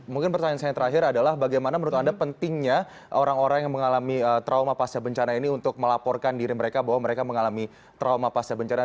mungkin pertanyaan saya yang terakhir adalah bagaimana menurut anda pentingnya orang orang yang mengalami trauma pasca bencana ini untuk melaporkan diri mereka bahwa mereka mengalami trauma pasca bencana